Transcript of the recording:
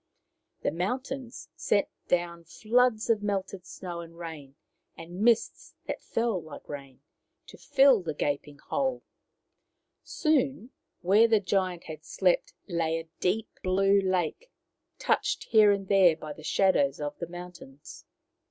The mountains sent down floods of melted snow, and rain, and mists that fell like rain, to fill the gaping hole. Soon where the giant had slept lay a deep blue lake, touched here and there by the shadows of the mountains.